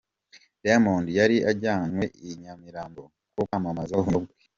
Diamond yari ajyanywe i Nyamirambo no kwamamaza ubunyobwa bwe.